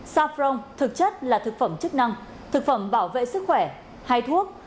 safrong thực chất là thực phẩm chức năng thực phẩm bảo vệ sức khỏe hay thuốc